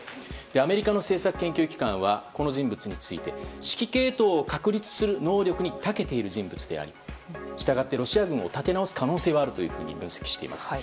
アメリカの研究機関はこの人物について指揮系統を確立する能力に長けている人物でありしたがってロシア軍を立て直す可能性があると分析しています。